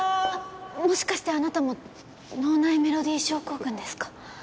もしかしてあなたも脳内メロディ症候群ですか？